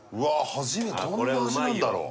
初めてどんな味なんだろう？